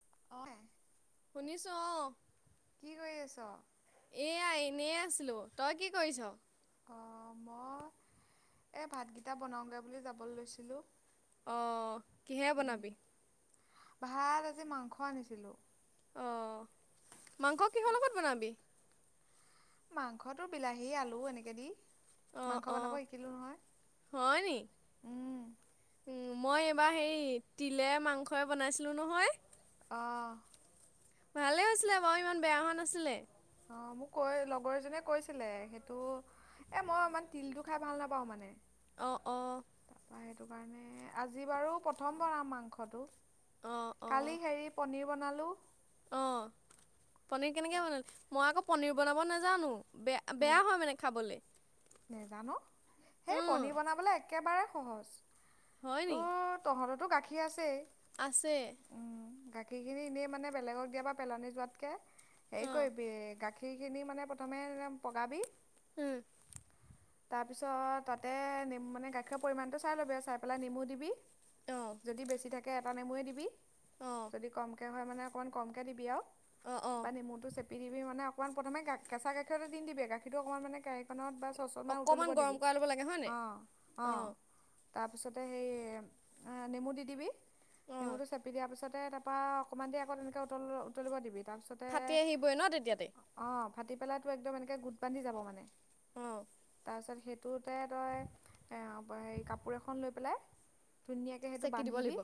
[inaudible] শুনিছো অঁ। কি কৰি আছ? [inaudible] এয়াাই এনে আছিলোঁ। তই কি কৰিছ? অঁ মই, এই ভাতকেইটা বনাওঁগে বুলি যাবলৈ লৈছিলোঁ। অঁ কিহে উম বনাবি? ভাত আজি মাংস আনিছিলোঁ। অঁ মাংস কিহৰ লগত বনাবি? মাংসটো বিলাহী, আলু এনেকে দি অঁ মাংস অঁ বনাব শিকিলোঁ নহয়, হয় নি উম। মই এইবাৰ হেই, তিলে মাংসই বনাইছিলোঁ নহয়? অ', ভালে হৈছিলে বাও ইমান বেয়া হোৱা নাছিলে। অঁ মোক কৈ লগৰ এজনীয়ে কৈছিলে সেইটো, এ মই ইমান তিলটো খাই ভাল নাপাওঁ মানে। অঁ অঁ ত সেইটো কাৰণে আজি বাৰু প্ৰথম বনাম মাংসটো অঁ অঁ কালি হেৰি পনীৰ বনালোঁ অঁ পনীৰ কেনেকৈ বনালি মই আকৌ পনীৰ বনাব নাজানো। বেয়া বেয়া হয় মানে খাবলে। নেজা ন? সেই পনীৰ বনাবলে একেবাৰে সহজ। হয় নি? তহঁততো তোৰ গাখীৰ আছেই। আছে। উম, গাখীৰখিনি এনেই মানে বেলেগক দিয়া বা পেলনি যোৱাতকে এই অঁ কৰিবি, গাখীৰ গাখীৰখিনি মানে প্ৰথমে পগাবি অঁ তাৰপিছত তাতে নেম মানে গাখীৰৰ পৰিমাণটো চাই ল'বি আ চাই পেলাই নেমু দিবি অঁ যদি বেছি থাকে এটা নেমুৱে দিবি, অঁ যদি কমকে হয় মানে অকণমান কমকে দিবি আও অঁ অঁ তাৰপৰা নেমুটো চেপি দিবি মানে অকণ প্ৰথমে কেঁচা গাখীৰতে দি নিদিবি, গাখীৰটো অকণমান মানে [unintelligible] ছশমা অকণমান উতলিব গৰম দিবি, কৰাই ল'ব লাগে হয়নে অঁ অঁ। অ', তাৰপিছতে সেই নেমু দি দিবি অ'। নেমুটো চেপি দিয়াৰ পিছতে তাৰপৰা অকণমান দেৰি আকৌ তেনেকে উতল উতলিব দিবি তাৰপিছতে ফাটি আহিবই ন তেতিয়াতে অঁ ভাটি পেলাটো একদম এনেকে গোট বান্ধি যাব মানে অঁ তাৰপিছত সেইটোতে তই এ হ কাপোৰ এখন লৈ পেলাই ধুনীয়াকৈ সেইটো চেকি দিব বান্ধিবি লাগিব।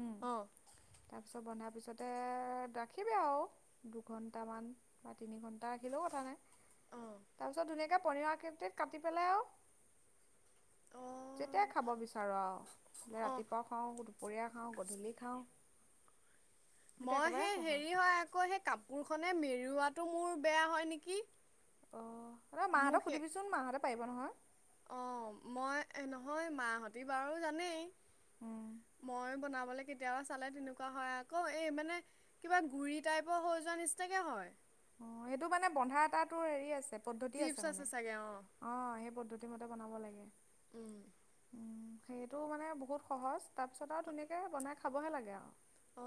উম অ'। তাৰপিছত বনাব তাৰপিছতে ৰাখিবি আও দুঘণ্টামান বা তিনি ঘণ্টা ৰাখিলেও কথা নাই অ', তাৰ পিছত ধুনিয়াকে পনিয়ৰ আকৃতিত কাটি পেলাই আৰু যেতিয়াই অ', খাব বিচাৰ আও নে অ'। ৰাতিপুৱা খাওঁ দুপৰীয়া খাওঁ গধূলি খাওঁ সেইটো মই একেবাৰে সেই সহজ হেৰি হয় আকৌ সেই কাপোৰখনে মেৰুৱাত তটো মোৰ বেয়া হয় নেকি অঁ এ মোৰ মাহঁতক সেই সধিবি চোন মাহঁতে পাৰিব নহয় অ মই নহয় মা হতি বাৰু জানেই অঁ মই বনাব লে কেতিয়াবা চালে তেনেকুৱা হয় আকৌ এই মানে কিবা গুৰি টাইপৰ হৈ যোৱা নিচিনাকে হয় অ এইটো মানে বন্ধা এটা তো হেৰি আছে পদ্ধতি আছে টিপছ মানে চাগে অ', অঁ সেই পদ্ধতি মতে বনাব লাগে উম। উম সেইটো মানে বহুত সহজ তাৰপিছত আও ধুনীয়াকে বনাই খাবহে লাগে আৰু অ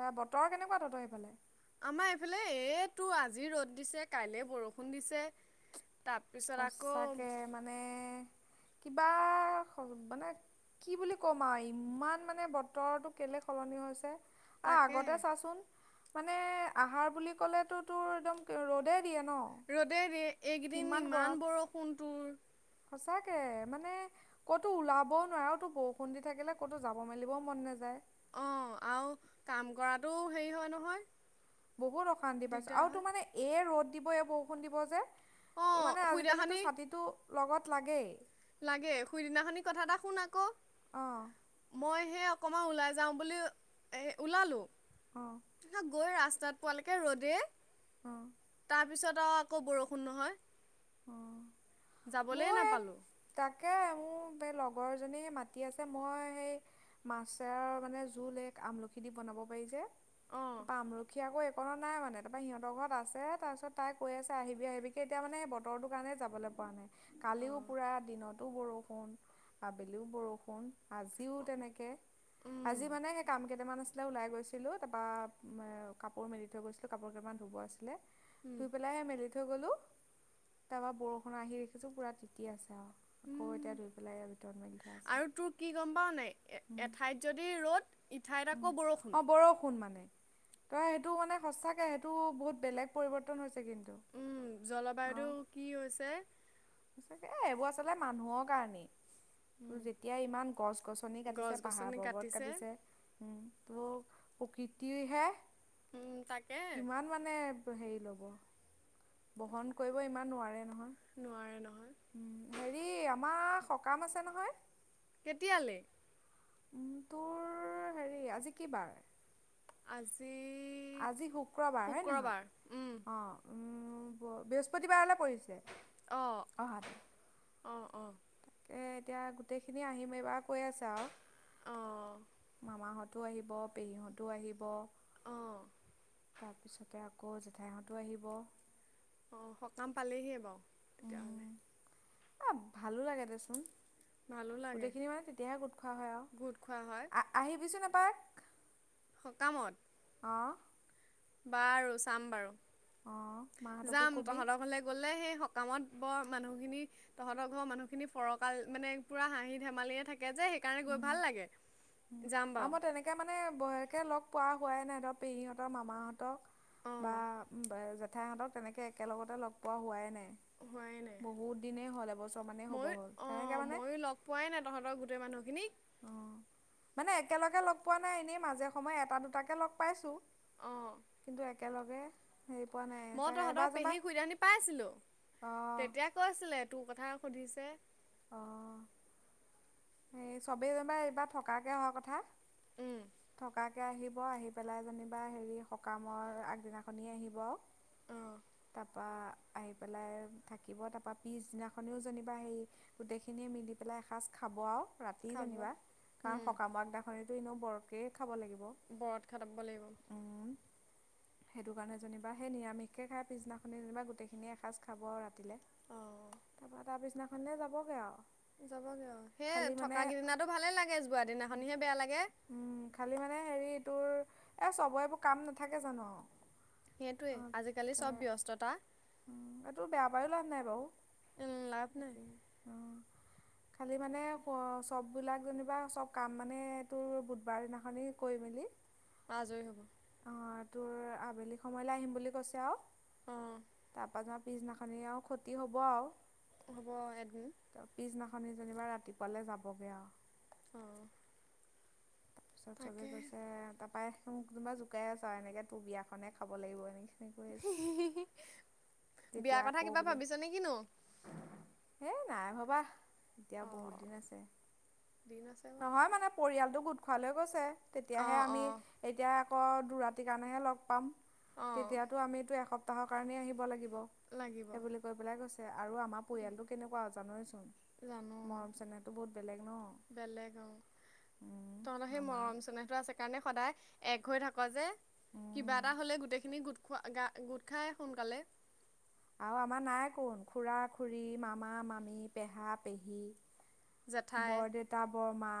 বা বতৰ কেনেকুৱা তহতৰ সেইফালে আমাৰ এইফালে এ তো আজি ৰ'দ দিছে কাইলে বৰষুণ দিছে তাৰপিছত আকৌ সঁচাকে মানে কিবা মানে কি বুলি কম আৰু ইমান মানে বতৰটো কেলে সলনি হৈছে আহ আগতে তাকেহে চাচোন মানে আহাৰ বুলি ক'লেতটো তোৰ একদম ৰ'দে ৰ'দে একদিন ইম গৰম ইমান বৰষুণ তোৰ সঁচাকে মানে ক'তো ওলাবও নোৱাৰ তো বৰষুণ দি থাকিলে ক'তো যাব মেলিবও মন নাযায় অ আৰু কাম কৰাতটো হেৰি হয় নহয় বহুত অশান্তি পাইছো দিগদাৰ আৰু হয় তোৰ মানে এই ৰ'দ দিবই বৰষুণ দিব যে ত অঁ মানে আজিকালিো শুইদিনাখনি ছাতিটো লগত লাগেই। লাগে সুইদিনাখনি কথা এটা শুন আকৌ, অঁ মই হে কমা ওলাই যাওঁ বুলি, এ' ওলালো অঁ। গৈ ৰাস্তাত পোৱালৈকে ৰ'দে অঁ। তাৰপিছত আৰু আকৌ বৰষুণ নহয়। অঁ। যাবলৈ মোৰ সেই নাপালো। তাকে, মোৰ এই লগৰজনী মাতি আছে, মই সেই মাছে মানে জোল এক, আমলখি দি বনাব পাৰি যে অঁ তাৰ পৰা আামৰখি আকৌ একো অকণো নাই মানে, তাৰপৰা সিহঁতৰ ঘৰত আছে, তাৰপিছত তাই কৈ আছে আহিবি আহিবি'কে এতিয়া মানে, বতৰটো কাৰণে যাবলৈ পৰা নাই। কালিও অঁ দিনতো বৰষুণ, আবেলিও বৰষুণ। আজিও তেনেকে, উম আজি মানে সে কাম কেইটামান আছিলে ওলাই গৈছিলোঁ, তাৰপৰা কাপোৰ মেলি থৈ গৈছিলোঁ, কাপোৰ কেইটামান ধুব আছিলে উম তুই পেলাই হে মেলি থৈ গ'লো, তাৰপৰা বৰষুণ আহি দেখিছো পুৰা কি আছে আও। উম, আছে। আৰু তোৰ কি গম পাও নাই, এঠাইত যদি ৰ'দ ইঠাইত আকৌ বৰষুণ। অঁ বৰষুণ মানে। তই সেইটো মানে সচাকে, সেইটো বহুত বেলেগ পৰিৱৰ্তন হৈছে কিন্তু উম জলবায়ুটো কি হৈছে ে [unintelligible] এ, এইবোৰ আচলতে মানুহৰ কাৰণেই। যেতিয়া ইমান গছ গছনি গছ কাটিছে, পাহাৰ গছনি পৰ্বত কাটিছে, উম'। ত প্ৰকৃতিহে উম, তাকে কিমান মানে হেৰি ল'ব। বহন কৰিব ইমান নোৱাৰে নহয় নোৱাৰে নহয় উম, হেৰি আমাৰ সকাম আছে নহয় কেতিয়ালৈ? উম তোৰ হেৰি, আজি কি বাৰ? আজ আজি শুক্ৰবাৰ হয় নহয়, উম, অ' উম বৃহস্পতিবাৰ হ'লে পৰিছে, অ', অহাকে অ', অ', এতিয়া গোটেইখিনি আহিম এইবাৰ কৈ আছে আৰু অ', মামাহঁত কো আহিব, পেহীহঁতো আহিব। অ', তাৰপিছতে আকৌ জেঠাইহঁতো আহিব। অঁ, সকাম পালেহে আকৌ। উম অ' ভালো লাগে দেচোন। ভালো লাগে গোটেইখিনি মানে তেতিয়াহে গোট খোৱা হয় আৰু গোট খোৱা হয় আ আহিবিচোন এপাক। কামত অঁ বাৰু, চাম বাৰু। অঁ মাহঁতকো যাম, কবি তহঁতৰ ঘৰলে গ'লে সেই কামত বৰ মানুহখিনি তহঁতৰ ঘৰৰ মানুহখিনি ফৰকাল মানে পুৰা হাঁহি ধেমালিয়ে থাকে। যে সেইকাৰণে গৈ উম ভাল লাগে যাম আৰু বাৰু মই তেনেকে মানে বেকে লগ পোৱা পোৱাই নাই ধৰক পেহিহঁতক মামাহঁতক। বা অঁ জেঠাইহঁতক তেনেকে একেলগতে লগ পোৱা হোৱাই নাই। বহুত দিনেই হ'ল এবছৰ মানেই হ'ব মইও হ'ল তেনেকে অঁ মানে ময়ো লগ পোৱাই নাই তহঁতৰ গোটেই মানুহখিনিক। অঁ মানে একেলগে লগ পোৱা নাই এনেই মাজে সময়ে এটা দুটাকে লগ পাইছো। অঁ একেলগে হেৰি পোৱা নাই মই তাক এবাৰ তহঁতৰ যেনিবা পেহীৰ খুৰীদেউহতিক পাইছিলো, অঁ তেতিয়া কৈছিলে তোক কথা সুধিছে। অ' সেই চবেই যেনিবা এইবাৰ থকাকে অহা কথা, উম, থকাকে আহিব আহি পেলাই যেনিবা হেৰি সকামৰ আগদিনাখনি আহিব আৰু, অঁ তাৰপা আহি পেলাই থাকিব তাৰপা পিছদিনাখনি যেনিবা সেই গোটেইখিনিয়ে মিলি পেলাই এসাঁজ খাব আৰু। ৰাতি খাব যেনিবা, কাৰণ সকাম আগদিনাখন দুই নম্বৰকে ব্ৰত খাটিব লাগিব। সেইটো কাৰণে যেনিবা সেই নিৰামিষকে খাই পিছদিনাখনি যেনিবা গোটেইখিনি এসাঁজ খাব আৰু ৰাতি। [unintelligible] অঁ তাৰ পিছনা মানে যাব যাবগে অ সেই মানে থকা কিদনাটো ভালে লাগে যোৱা দিনাখনিহে বেয়া লাগে। খালি মানে হেৰি তোৰ এ চবৰেবোৰ কাম নাথাকে জানো আৰু। সেইটোৱে আজিকালি চব ব্যস্থতা। উ এইটো বেয়া পায়ো লাভ নাই বাৰু। উম, লাভ নাই তাকে অ', খালি মানে। চববিলাক যেনিবা চব কাম মানে তোৰ বুধবাৰ দিনাখনি কৰি মেলি। আজৰি হ'ব। অ তোৰ আবেলি সময়লৈ আহিম বুলি কৈছে আৰু। অ, তাৰপা য পিছদিনাখনি আৰু ক্ষতি হব আৰু। হ'ব এদিন। শনিজনিবাৰ ৰাতিপুৱালৈ যাবগে আৰু। অঁ, তাৰপিছত চবে তাকে গৈছে তাৰাপাই। মোক কোনোবা জোকাই আছা এনেকে তোৰ বিয়াখনে খাব লাগিব এনেকে। তেতিয়া বিয়াৰ কথা আকৌ কিবা বোলে ভাবিছ নে কিনো। এই নাই ভবা। এতিয়া বহুত অঁ দিন আছে দিন আছে বাৰু নহয় মানে পৰিয়ালটো গোট। খোৱা লৈ গৈছে। তেতিয়াহে অঁ আমি অঁ এতিয়া আকৌ দু ৰাতিৰ কাৰণেহে লগ পাম। অঁ তেতিয়াতো আমো এসপ্তাহ তহ কাৰণেই আহিব লাগিব। লাগিব সেইবোলি কৈ পেলাই কৈছে আৰু আমাৰ পৰিয়ালটো কেনেকুৱা অ জানোৱেচোন। জানো মৰম চেনেহটো বহুত বেলেগ। উ [unintelligible] বেলেগ অ। তহঁত উম সেই আমাৰ মৰম চেনেহতটো আছে কাৰণে সদায় এক হৈ থাক যে। কিবা উম এটা হ'লে গোটেইখিনি গোট খ গা গোট খাই সোনকালে। আৰু আমাৰ নাই কোন খুৰা-খুৰী, মামা-মামী, পেহা-পেহী। জেঠাই বৰদেটা, বৰমা,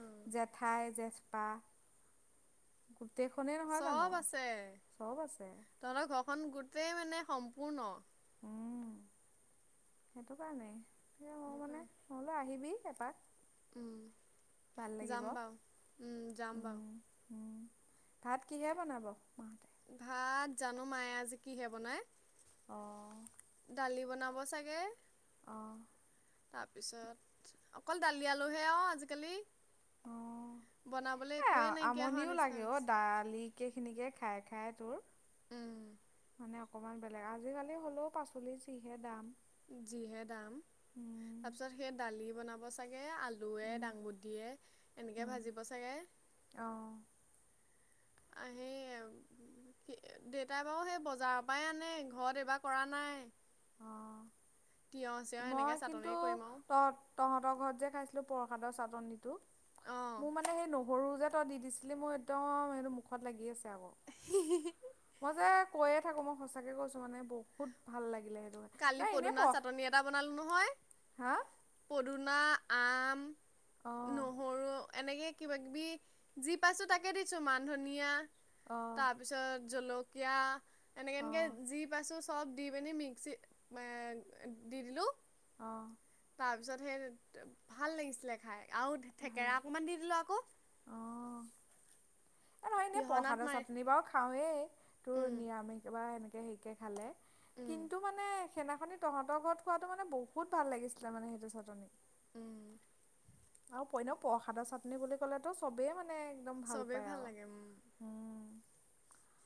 অঁ জেঠাই-জেঠ, অহ গোটেইখনেই নহয় জানো চব চব আছে খন গোটেই মানে সম্পূৰ্ণ উম সেইটো কাৰণেই এ মই মানে দোকান মই বোলো আহিবি এপাক উম ভাল লাগিব। যাম বা উম যাম বা উম উম ভাত কিহে বনাব ভাত জানো মায়ে আজি কিহে বনাই অঁ দালি বনাব চাগে অঁ তাৰপিছত অকল দালি আলুহে অ আজিকালি অ বনাবলৈ এ একোৱেই নাইকিয়া হোৱা আমনিও নিচিনা লাগে অ হৈছে। দালিকেই খিনিকে খাই দে খাই তোৰ উম মানে অকমান বেলেগ আজিকালি হ'লেও পাচলি যিহে দাম যিহে দাম উম তাৰ পিছত সেই দালি বনাব অৱ চা আলুৱে উম দাংবু দিয়ে এনেকে উম ভাজিব চাগে। অঁ আহে আৰু দেউতাই বাৰু সেই বজাৰৰ পৰাই আনে ঘৰত এইবাৰ কৰা নাই। অঁ তিয়হ চিয়হ এনেকে মই কিন্তু চাটনি কৰিম আৰু তহ-তহঁতৰ ঘৰত যে খাইছ প্ৰসাদৰ চাটনিটো। অঁ মোৰ মানে সেই ন সৰু যে তই দি দিছিলি মোৰ একদম এইটো মুখত লাগি আছে। মই যে কৈয়ে থাকো মই সঁচাকে কৈছো মানে বহুত ভাল লাগিলে। সেইটো কাৰণে। কালি নাই এনেই পদুনা পঢ় চাটনি এটা বন বনালো নহয়। হা পদুনা আম অঁ নহৰু এনেকে কিবা কিবি যি পাইছো তাকে দিছো মান ধনিয়া অঁ তাৰপিছত জল কিয়া এনেকে এনেকে অঁ যি পাইছো চফ দি পেনে মিক্সি এ দি দিলো অ'। তাৰপিছত সে ভাল লাগিছিলে খাই। আৰু ভাল থেকেৰা লাগে অকমান দি দিলো আকৌ। অঁ নহয় এনেই পিহনাত প্ৰসাদৰ মাৰি চাটনি বাৰু খাওঁৱেই। তোৰ উম নিৰামিষ বা এনে সেইকে খালে উম কিন্তু মানে সেনাখননেই তহঁতৰ ঘৰত খোৱাটো মানে বহুত ভাল লাগিছিলে মানে, সেইটো চাটনি। উম আৰু পই ন প্ৰসাদৰ চাটনি বুলি ক'লেতো চবেই মানে একদম ভাল পায় আও। উম।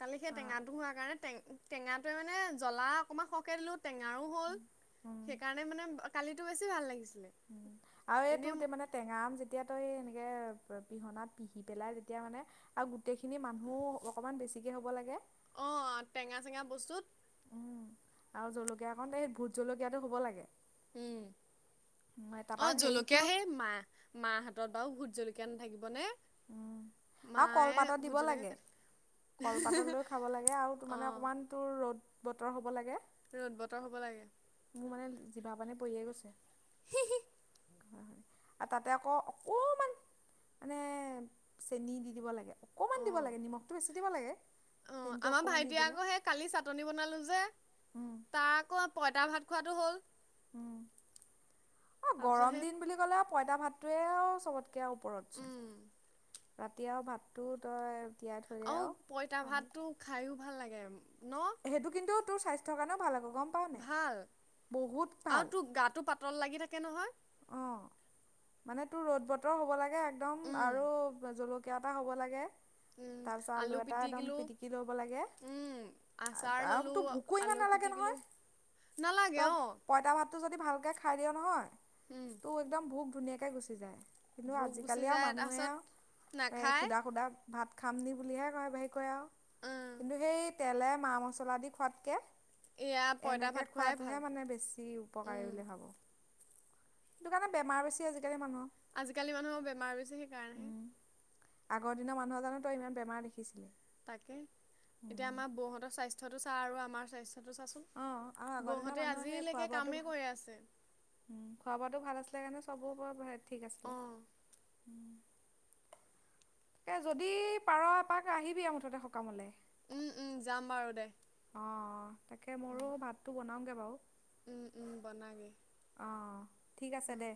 কালি সেই আ টেঙাটো হোৱাৰ কাৰণে টে টেঙাটোৱে মানে, জ্বলা অকমান সহকে দিলে টেঙাৰ' হ'ল উম। সেইকাৰণে মানে কালিটো বেছি ভ লাগিছে উম আৰু এইটো মানে টেঙাম যেতিয়া এনেকে পিহনাত পিহি পেলাই তেতিয়া মানে আৰু গোটেইখিনি মানুহ অকমান বেছি কি হ'ব লাগে অ টেঙা চেঙা বস্তুত উম আৰু জলকীয়া কাৰণ এই ভোট জলকীয়াাতটো হ'ব লাগে উম অ তাৰপৰা হেৰিটো জলকীয়া হে মাহ মাহ হাতত বাৰু ভোত জলকীয়া নাথাকিবনে উম আৰু মায়ে কলপাতত দিব ভোট জলকীয়া লাগে কাটি কলপাত লৈও খাব লাগে আৰু ত মানে অঁ অকমান তোৰ ৰ'দ বতৰ হ'ব লাগে ৰ'দ বতৰ হব লাগে োৰ মানে জিিবা পানে পৰিয়ে গৈছে আৰু তাতে আকৌ অকমান মানে চেনী দি দিব লাগে অকণমান দিব লাগে নিমখটো বেছি দিবা লাগে অ চেনিটো আমাৰ অকণমান দি ভাইটিয়ে দিলে আকৌ সেই কালি চাটনি বনালো যে উম, তাৰকৌ পইতা ভাত খোৱাাতটো হ'ল উ অ তাৰপিছত গৰম সেই দিন বুলি ক'লে পইতা ভাত ভাতোৱে চবতকে আৰু ওপৰত চোন উম ৰাতি আৰু ভাতটো তই তিয়াই থৈ দে আৰু পইতা পানীত। ভাতটো খাই ও ভাল লাগে, সেইটো কিন্তু তোৰ স্বাস্থ্যৰ কাৰণেও ভাল হব। ভাল আৰু ভাল তোৰ গাটো পাতল লাগি থাকে। [inaudible] অ মানে তোৰ ৰ'দ বতৰ হ'ব লাগে একদম উম আৰু জলকীয়া এটা হ'ব লাগে। উম তাৰপিছত আলু এটা একদম পিটিকিলো পিটিকি ল'ব লাগে। উম আচাৰ আৰু ললোঁ তোৰ ভোকো ইমান আলু নালাগে পিটিকিলো নহয়। নালাগে অ। টো যদি ভালকে খাই দিয় নহয়, ত একদম বহুত ধুনীয়াকে গুচি যায়। কিন্তু ভোক গুচি আজিকালি আৰু যায় মানুহে তাৰপাছত এ নাখায় সুধা সুধা ভাত খাম নি বুলিহে কয় হেৰিকৈ আৰু উম কিন্তু সেই তেলে মা মছলা দি খোৱাতকে, এয়া পঁইতা এনেকে ভাত খোৱাই ভাল খোৱাটোহে মানে বেছি উপকাৰী উম বুলি ভাবো। সেইটো কাৰণে বেমাৰ বেছি আজি আজিকালি মানুহৰ বেমাৰ বেছি সেইকাৰণেহে। আগৰ দিনৰ মানুহৰ জানো তই ইমান বেমাৰ দেখিছিলি? তাকে, এতিয়া আমাৰ বৌহঁতৰ স্বাস্থ্যটো চা আৰু আমাৰ স্বাস্থ্য টো চাচোঁন, অঁ আৰু আগৰ দিনৰ বৌহঁতে মানুহৰ সেই খোৱা আজিলৈকে বোৱাটো কামেই ভাল কৰি আছে। খোৱা বোৱাটো ভাল [unintelligible] ঠিক আছিলে। অ উম্, এই যদি পাৰ এপাক আহিবি আৰু মুঠতে সকামলে। উম্, উম্ যাম বাৰু দে। অঁ তাকে মোৰো ভাতটো বনাওঁগে বাৰু। উম্, উম্ বনাগে। অঁ ঠিক আছে উম্, দে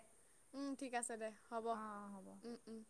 উম্ ঠিক আছে দে হ'ব, অঁ হ'ব উম্, উম্।